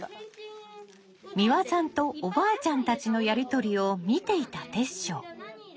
三和さんとおばあちゃんたちのやり取りを見ていた煌翔。